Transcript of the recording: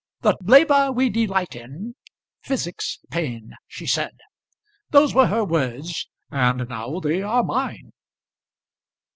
'The labour we delight in physics pain,' she said. Those were her words, and now they are mine."